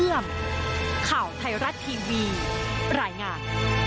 เยื่อมข่าวไทยรัฐทีวีรายงาน